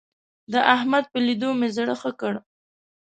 د احمد په ليدو مې زړه ښه کړ.